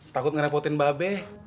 takut ngerepotin mba be